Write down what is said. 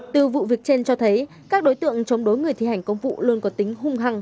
từ vụ việc trên cho thấy các đối tượng chống đối người thi hành công vụ luôn có tính hung hăng